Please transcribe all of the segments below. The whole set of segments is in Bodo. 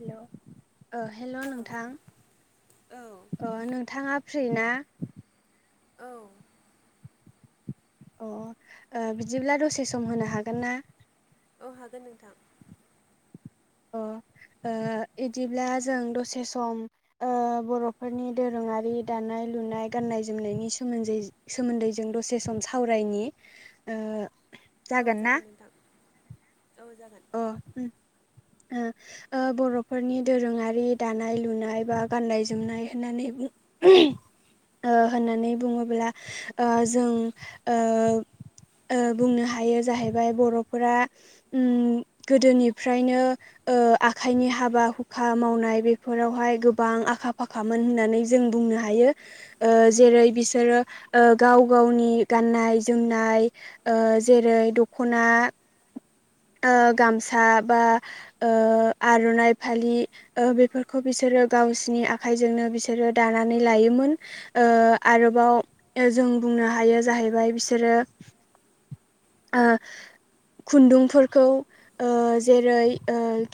हेल ओ हेल औ नोंथां औ अ नोंथाङा फ्रि ना औ अ बिदिब्ला दसे सम होनो हागोन ना औ हागोन नोंथां अ ओ बिदिब्ला जों दसे सम ओ बरफोरनि दोरोङारि दानाय नाय लुनाय गाननाय जोमनायनि सोमोन्दै दसे सम सावरायनि औ जागोन नोंथां औ जागोन अ ओ बरफोरनि दोरोङारि दानाय लुनाय बा गाननाय जोमनाय होननानै [inaudible] ओ होननानै बुङोब्ला जों ओ ओ बुंनो हायो जाहैबाय बरफोरा ओ गोदोनिफ्रायनो ओ आखाइनि हाबा हुखा मावनाय बेफोरावहाय गोबां आखा फाखामोन होननानै जों बुंनो हायो ओ जेरै बिसोरो ओ गाव गावनि नि गाननाय जोमनाय जेरै दखना ओ गामसा बा ओ आरनाइ फालि बेफोरखौ बिसोरो गावसिनि आखजोंनो बिसोरो दानानै लायोमोन जाहैबाय बिसोरो खुुन खौ जेरै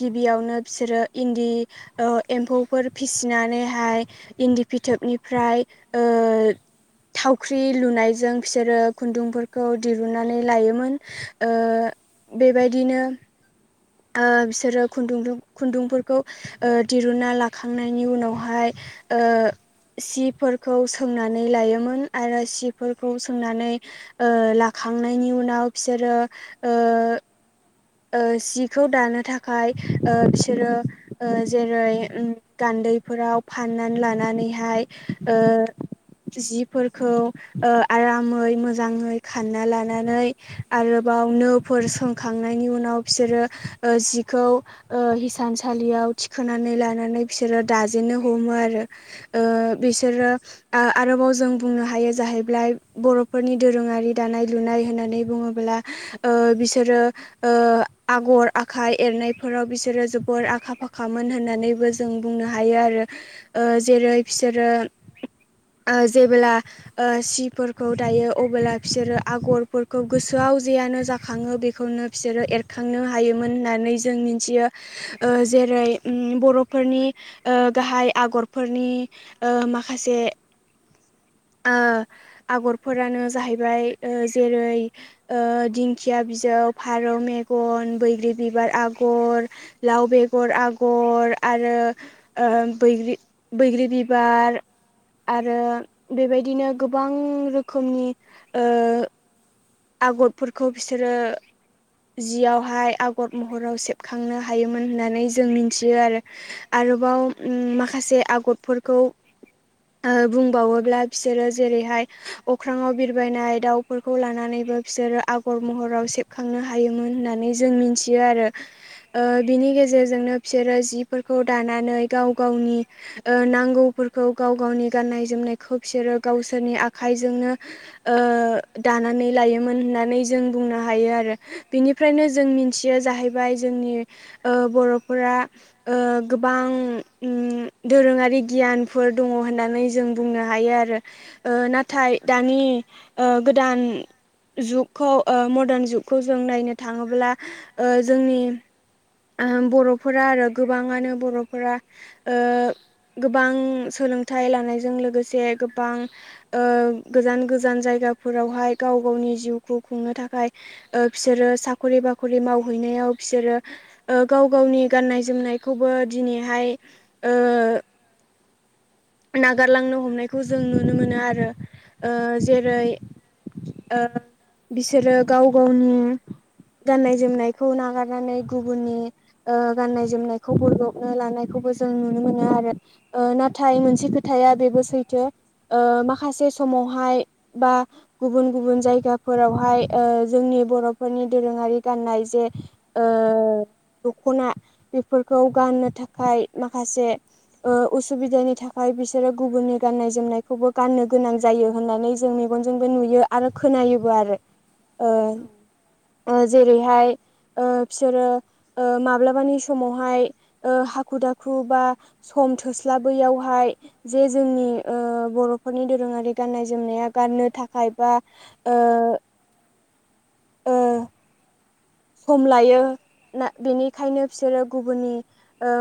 गिबियावनो बिसोरो इन्दि एम्फौ फोर फिसिनानैहाय इन्दि फिथोबनिफ्राय ओ थावख्रि लुनायजों बिसोरो खुन्दुंफोरखौ दिरुनानै लायोमोन ओ बेबायदिनो ओ बिसोरो खुन्दुं खुन्दुंफोरखौ दिरुना लाखांनायनि उनावहाय ओ सिफोरखौ सोंनानै लायोमोन आरो सिफोरखौ सोंनानै ओ लाखा खांनायनि उनाव बिसोरो ओ ओ खौ दानो थाखाय बिसोरो जेरै गान्दैफोराव लानानैहाय जिफोरखौ आरामै मोजाङै खानना लानानै आरोबाव बाव नो फोर सोंखांनायनि उनाव बिसोरो जिखौ हिसानसालियाव थिखोनानै लानानै बिसोरो दाजेननो हमो आरो औ औ बिसोरो आरोबाव जा जों बुंनो हायो जाहैबाय बर'फोरनि दोरोङारि दानाय लुनाय होननानै बुङोब्ला बिसोरो आगर आखाइ एरनायफोराव बिसोरो जोबोर आखा फाखामोन होननानैबो जों बुंनो हायो आरो जेरै बिसोरो जेबोबोला सिफोरखौ दायो अबोला बिसोरो आगरफोरखौ गोसोआ गाव जेआनो जाखाङो बेखौनो बिसोरो एरखां खांनो हायोमोन होननानै जों मिथियो जेरै बर'फोरनि गाहाय आगरफोरनि माखासे आगरफोरानो जाहैबाय जेरै दिंखिया बिजौ फारौ मेगन बैग्रि बिबार आगर लाव बेगर आगर आरो बैग्रि बैग्रि बिबार आरो बेबायदिनो गोबां रोखोमनि आगरफोरखौ बिसोरो जियावहाय आगर महराव सेबखांनो हायोमोन होननानै जों मिथि मिथियो आरो आरोबाव औ माखासे आगरफोरखौ बुंबावोब्ला बिसोरो जेरैहाय अख्राङाव बिरबायनाय दाउफोरखौ लानानै बिसोरो आगर महराव सेबखांनो हायोमोन होननानै जों मिथियो आरोनि नि गेजेरजोंनो बिसोरो जिफोरखौ दानानै गाव गावनि नांगौफोरखौ गाव गाव गावनि गाननाय जोमनायखौ बिसोरो गावसोरनि आखाइजोंनो दानानै लायोमोन नानै जों बुंनो हायो आरो बेनिफ्रायनो मिनथि जाहैबाय जोंनि बर'फोरा गोबां दोरोङारि गियानफोर दङ होननानै नानै जों बुंनो हायो आरो नाथाय दानि गोदान जुगखौ मदार्न जुगखौ जों नायनो थाङोब्ला जोंनि बर'फोरा आरो गोबाङानो बर'फोरा गोबां सोर सोलोंथाइ लानायजों लोगोसे गोबां गोजान गोजान जायगाफोरावहाय गाव गावनि गावनि जिउखौ खुंनो थाखाय बिसोरो साखरि बाखरि मावहैनायाव बिसोरो गाव गावनि गाननाय जोमनायखौबो दिनैहाय नागारलांनो हमनायखौ जों नुनो मोनो आरो जेरै बिसोरो गाव गावनि गाननाय जोमनायखौ नागारनानै गुबुननि गाननाय जोमनायखौ बोजबनानै लानायखौ मोनो आरो मोनसे खोथाया बेबो सैथो माखासे समावहाय बा गुबुन गुबुन जायगा जायगाफोरावहाय जोंनि बर'फोरनि दोरोङारि गाननाय जे दख'ना बेफोरखौ गाननो थाखाय माखासे उसुबिदानि थाखाय आमफ्राय बिसोरो गुबुननि गाननाय जोमनायखौबो गाननो गोनां जायो होननानै जों मेगनजोंबो नुयो आरो खोना नायोबो आरो औ जेरैहाय बिसोरो माब्लाबानि समावहाय हाखु दाखु बा सम थोस्लाबैयावहाय जे जोंनि बर'फोरनि दोरोङारि गाननाय जोमनाया गाननो थाखाय बा ओ सम लायो ना बेनिखायनो बिसोरो गुबुननि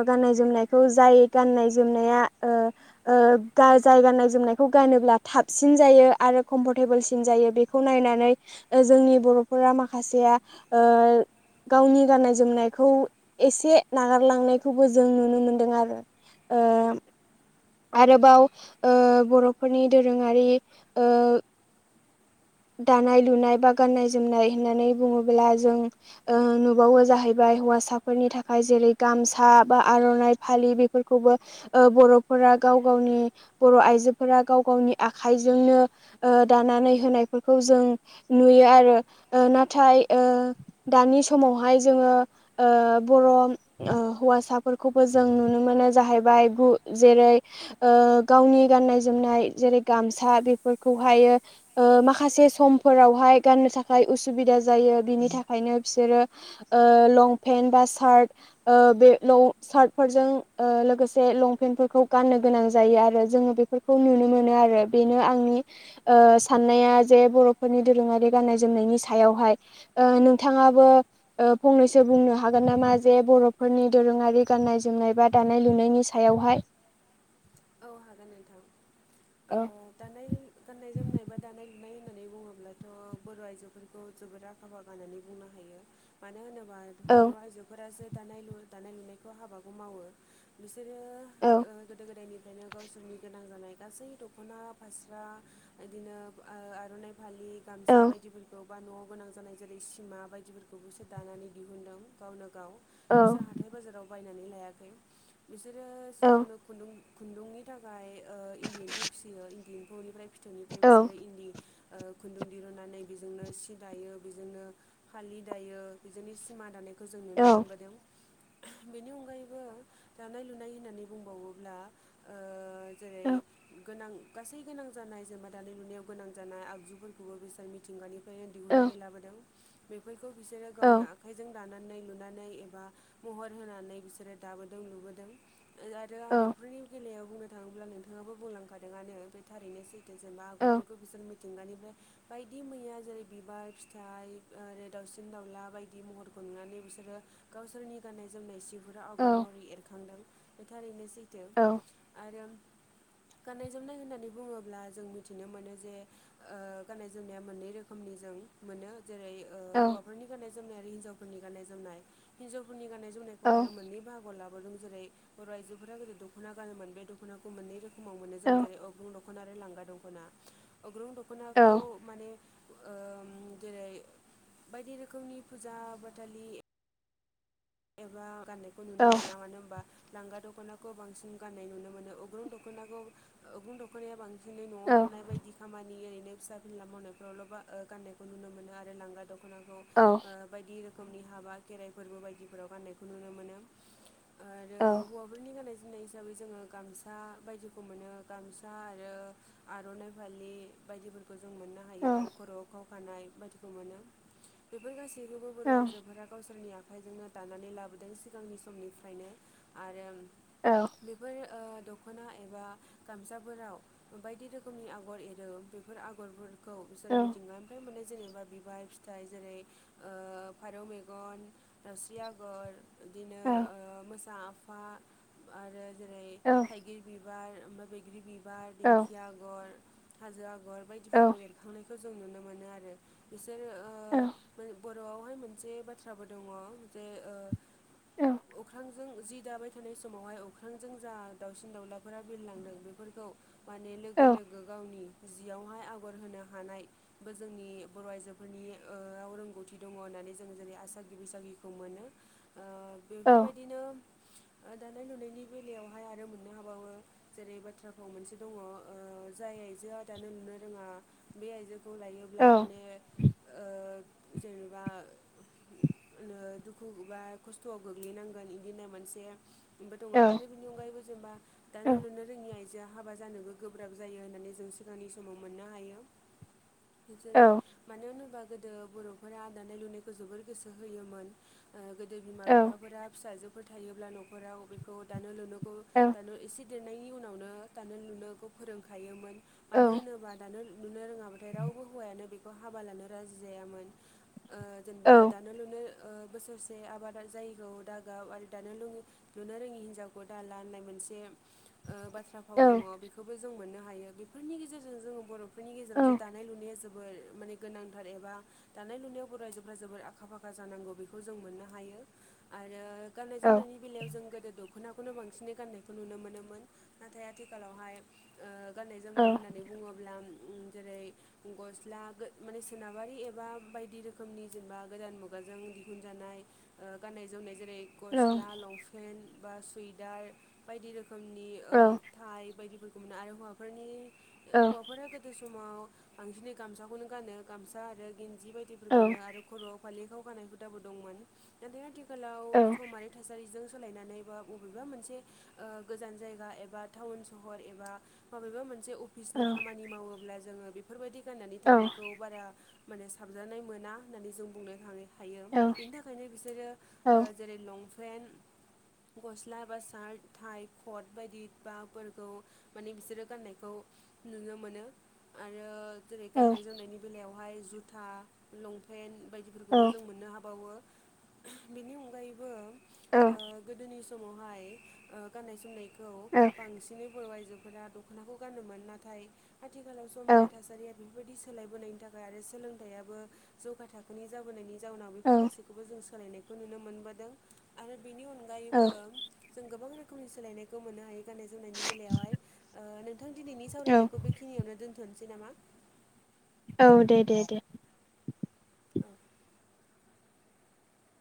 गाननाय जोमनायखौ जाय गाननाय जोमनाया जाय गाननाय जोमनायखौ गानोब्ला थाबसिन जायो आरो कमफरटेबोलसिन जायो बेखौ नायनानै जोंनि बर'फोरा माखासे गावनि गाननाय जोमनायखौ एसे नागारलांनायखौबो जों नुनो मोनदों आरो उम ओ आरोबाव ओ बर'फोरनि दोरोङारि दानाय लुनाय बा गानाय जोमनाय होननानै बुङोब्ला जों ओ नुबावो जाहैबाय हौसाफोरनि थाखाय जेरै गामसा बा आर'नाइ फालि बेफोरखौबो ओ बर'फोरा गाव गावनि बर' आइजोफोरा गाव गावनि आखाइजोंनो ओ दानानै होनाय खौ जों नुयो आरो नाथाय ओ दानि समावहाय जोङो ओ बर' हौवासाफोरखौबो जों नुनो मोनो जाहैबाय गु जेरै ओ गावनि गाननाय जोमनाय जेरै गामसा बेफोरखौहायो मा खासे समफोरावहाय गाननो थाखाय उसुबिदा जायो बिनि थाखायनो बिसोरो ओ लंपेनट बा सार्ट ओ‌ बे सार्टफोरजों लोगोसे लंपेन्टफोरखौ गान [unintelligible] नो गोनां जायो आरो जोङो बेफोरखौ नुनो मोनो आरो बेनो आंनि ओ साननाया जे बर'फोरनि दोरोङारि गाननाय जोमनायनि सायावहाय ओ नोंथाङाबो फंनैसो बुंनो हागोन नामा जे बर'फोरनि दोरोङारि गाननाय जोमनाय बा दानाय लुनायनि सायावहाय [inaudible] औ हागोन नोंथां औ दानाय गाननाय जोमनाय बा दानाय लुनाय होननानै बुङोब्लाथ' बर' आइजोफोरखौ जोबोद आखा फाखा होननानै बुंनो हायो मानो होनो बा औ बर' आइजोफोरासो दानाय लु दानाय लुनायखौ हाबाखौ मावो बि सोरो औ ओ गोदो गोदायनि ओंखायनो गावसोरनि गोनां जानाय गासै दख'ना फास्रा बिदिनो ओ आर'नाइ फालि औ गामसा बायदिफोरखौ बा नवाव गोनां जानाय जेरै सिमा बायदिफोरखौबो बिसोर दानानै दिहुनदों गावनो गाव औ बिसोर हाथाय बाजाराव बायनानै लायाखै बिसोरो औ सिगांनो खुन्दुं खुन्दुंनि थाखाय ओ इन्दि एम्फौ फिसियो इन्दिफोरनिफ्राय फिथौनिफ्राय औ बिसोरो इन्दि ओ खुन्दुं दिहुननानै बेजोंनो सि दायो बेजोंनो फालि दायो बेजोंनो सिमा दानायखौ खौ जों नुनो औ मोनबोदों। बेनि अनगायैबो दानाय लुनाय होननानै बुंबावोब्ला ओ जेरै गोनां गासै गोनां जानाय जोमा [unintelligible] दानाय लुनायाव गोनां जानाय आगजुफोरखौबो बिसोर मिथिंगानि [inaudible] नो औ दिहनानै लाबोदों बेफोरखौ बिसोर औ गावनो आखाइजों दानानै लुनानै एबा महर होनानै बिसोरो दाबोदों लुबोदों आरो आगरफोरनि बेलायाव बुंनो थाङोब्ला नोंथाङाबो बुंलांखादोंआनो बे थारैनोसै जेमा आगरफोरखौ बिसोर मिथिंगानिफ्राय बायदि मैया जेरै बिबार फिथाइ ओ दाउसिन दाउला बायदि महरफोरखौ नुनानै बिसोरो गावसोरनि गाननाय जोनाय सि आगर महरै एरखांदों बे थारैनो सैथो औ [inaudible] गाननाय जोमनाय होननानै बुङोब्ला जों मिथिनो मोनो जे ओ गाननाय जोमनाया मोननै रोखोमनि जों मोनो जेरै ओ हौवाफोरनि गाननाय जोमनाय आरो हिन्जावफोरनि गाननाय जोमनाय हिन्जावफोरनि गाननाय जोमनायखौ आरो मोननै बाहागोआव लाबोदों जेरै बर' आइजोफोरा गोदो दख'ना गानोमोन बे दख'नाखौ मोननै रोखो माव मोनो जों जेरै अग्रुं दख'ना आरो लांगा दख'ना अग्रुं दख'नाखौ माने ओ जेरै बायदि रोखोमनि फुजा बाथालि एबा गाननायखौ नुनो मोना मानो होनबा लांगा दख'नाखौ बांसिन गाननाय नुनो मोनो अग्रं दख'नाखौ अग्रं दख'नाया बांसिन बिदिनो नवाव थानाय बायदि खामानि ओरैनो फिसा फिला मावनायफ्रावल' बा गाननायखौ नुनो मोनो आरो लांगा द खनाखौ बायदि रोखोमनि हाबा खेराइ फोरबो बायदिफोराव गाननायखौ नुनो मोनो। औ फिनाय हिसाबै जोङो गामसा बायदिखौ मोनो गामसा आरो आर'नाइ फालि बायदिफोरखौ जों मोननो हायो आरो खर'वाव खाव खानाय बायदिखौ मोनो बेफोर गासैबो थेवबो बर' आइजोफोरा गावसोरनि आखाइजोंनो दानानै लाबोदों सिगांनि समनिफ्रायनो आरो बेफोर ओ दख'ना एबा गामसाफोराव बायदि रोखोमनि आगर एरो बेफोर आगरफोर खौ बिसोर मिथिंगानिफाय मोननाय जेनेबा बिबार फिथाइ जेरै ओ फारौ मेगन‌ दावस्रि आगर बिदिनो ओ मोसा आफा आरो जेरै थाइगिर बिबार बिबार ओमफ्राय बैग्रि बिबार दिंखि आग'र हाजो आग'र बायदिफोरखौ एरखांनायखौ जों नुनो मोनो आरो बिसोर ओ औ बर'आवहाय मोनसे बाथ्राबो दङ जे ओ औ अख्रांजों जि दाबाय थानाय समावहाय अख्रांजों जा दाउसिन दाउलाफोरा बिरलांदों बेफोरखौ माने लोगो लोगो गावनि जियावहाय आगर होनो हानायबो जोंनि बर' आइजोफोरनि ओ याव रोंगौथि दङ होन नानै जों जेरै आसागि बैसागिखौ मोनो बेफोर बायदिनो ओ दानाय लुनायनि बेलायावहाय आरो मोननो हाबावो जेरै बाथ्रा फाव मोनसे दङ ओ जाय आइजोआ दानो नुनो रोङा बे आइजो खौ लायोब्ला माने ओ जेनेबा ओ दुखु बा खस्थ'आव गोग्लैनांगोन बिदिनो मोनसे बो दङ' आरो बिनि अनगायैबो जेनेबा दानो लुनो रोङि आइजोआ हाबा जानोबो गोब्राब जायो होननानै जों सिगांनि समाव मोननो हायो। बिदिनो मानो होनोबा गोदो बर'फोरा दानाय लुनायखौ जोबोर गोसो होयोमोन। ओ गोदो बिमा बिफाफोरा फिसाजोफोर थायोब्ला न'खराव बिखौ दानो लुनोखौ दानो एसे देरनायनि उनावनो दानो लुनोखौ फोरोंखायोमोन मानो होनोबा दानो लुनो रोङा बाथाय रावबो हौवायानो बेखौ हाबा लानो राजि जायामोन ओ जेनेबा दा [inaudible] बोसोरसे आबादा जायैखौ दागाव आरो दानो लुनो रोङि हिनजावखौ दाला होननाय मोनसे [inaudible] ओ बाथ्रा फाव दङ बेखौबो जों मोननो हायो बेफोरनि गेजेरजों जोङो बर' फोरनि गेजेराव जे दानाय लुनाया जोबोर माने गोनांथार एबा दानाय लुनायाव बर' आइजोफ्रा जोबोर आखा फाखा जानांगौ बेखौ जों मोननो हायो आरो गाननाय जोमनायनि बेलायाव जों गोदो द दख'नाखौनो बांसिनै गान्नायखौ नुनो मोनोमोन नाथाय आथिखालावहाय ओ गाननाय जोमनाय होननानै बुङोब्ला उम जेरै गस्ला गो माने सोनाबारि एबा बायदि रोखोमनि जेनेबा गोदान मुगाजों दिहुनजानाय ओ गाननाय जोमनाय जेरै गस्ला लंपेन्ट बा सुइदार बायदि रोखोमनि ओ थाइ बायदिफोरखौ मोनो आरो हौवाफोरनि हौवाफोरा गोदो समाव बांसिनै गामसाखौनो गानो। गामसा आरो गि जि बायदिफोरखौनो आरो खर'आव फालि खाव गानाय हुदाबो दंमोन। नाथाइ आथि खालाव सम आरो थासारिजों सोलायनानै बा बबेबा मोनसे ओ गोजान जायगा एबा टाउन सहर एबा मबेबा मोनसे मोनसे अफिसनि खामानि मावोब्ला जोङो बेफोरबायदि गाननानै थांनायखौ बारा माने साबजानाय मोना होननानै जों बुंनो थाङो हायो। बेनि थाखायनो बिसोरो ओ जेरै लंपेन्ट गस्ला बा सार्ट थाइ कट बायदि बा फोरखौ माने बिसोरो गाननायखौ नुनो मोनो आरो जेरै गाननाय जोमनायनि बेलायावहाय जुथा लंपेन्ट बायदिफोरखौबो जों मोननो हाबावो बिनि अनगायैबो ओ गोदोनि समावहाय ओ गाननाय जोमनायखौ बांसिनै बर' आइजो फोरा दख'नाखौ गानोमोन नाथाय आथिखालाव समा आरो थासारिया बेफोर बायदि सोलायबोनायनि थाखाय आरो सोलोंथाइयाबो जौगा थाखोनि जाबोनायनि जाउनाव बेफोर गासैखौबो जों सोलायनायखौ नुनो मोनबोदों आरो बेनि अनगायैबो जों गोबां रो खोमनि सोलायनायखौ मोननो हायो गाननाय जोमनायनि बेलायावहाय ओ नों थां दिनैनि सावरायनायखौ बेखिनियावनो दोन्थ'नोसै नामा औ दे दे दे औ